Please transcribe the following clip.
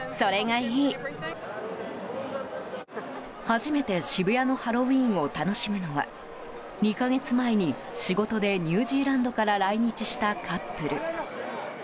初めて渋谷のハロウィーンを楽しむのは２か月前に仕事でニュージーランドから来日したカップル。